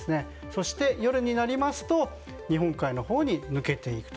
そして、夜になると日本海のほうに抜けていくと。